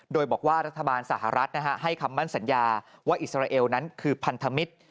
โดยบอกว่ารัฐบาลสหรัฐให้คำมั่นสัญญาว่าอิสราเอลนั้นคือพันธมิตร